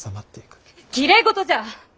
きれい事じゃ！